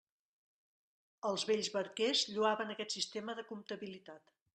Els vells barquers lloaven aquest sistema de comptabilitat.